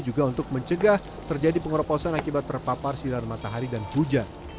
juga untuk mencegah terjadi pengeroposan akibat terpapar sinar matahari dan hujan